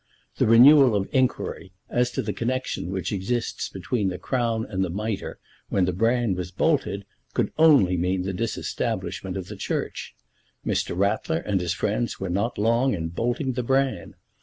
The renewal of inquiry as to the connection which exists between the Crown and the Mitre, when the bran was bolted, could only mean the disestablishment of the Church. Mr. Ratler and his friends were not long in bolting the bran.